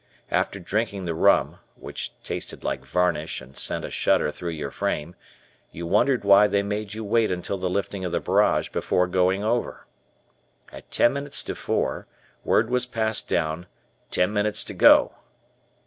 After drinking the rum, which tasted like varnish and sent a shudder through your frame, you wondered why they made you wait until the lifting of the barrage before going over. At ten minutes to four, word was passed down, "Ten minutes to go!"